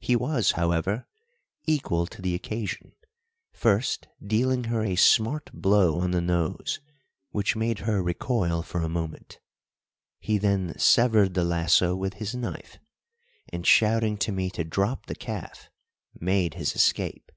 He was, however, equal to the occasion, first dealing her a smart blow on the nose, which made her recoil for a moment; he then severed the lasso with his knife, and, shouting to me to drop the calf, made his escape.